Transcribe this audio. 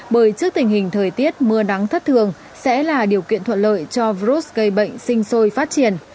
bởi trước tình hình thời tiết mưa nắng thất thường sẽ là điều kiện thuận lợi cho virus gây bệnh sinh sôi phát triển